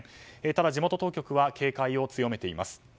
ただ、地元当局は警戒を強めています。